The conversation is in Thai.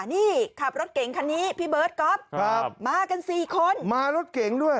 นี่ขับรถเก่งคันนี้พี่เบิร์ตก๊อฟครับมากันสี่คนมารถเก่งด้วย